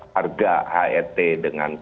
harga hrt dengan rp empat belas